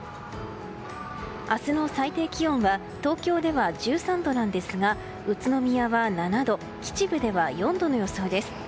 明日の最低気温は東京では１３度なんですが宇都宮は７度秩父では４度の予想です。